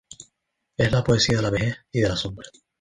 Es la poesía de la vejez y de la sombra.